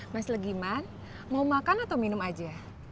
mas legiman mau makan atau minum aja